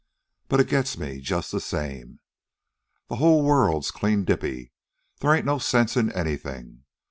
But it gets me just the same. The whole world's clean dippy. They ain't no sense in anything.